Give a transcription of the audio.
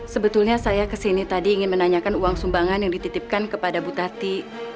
sebetulnya saya kesini tadi ingin menanyakan uang sumbangan yang dititipkan kepada bu tati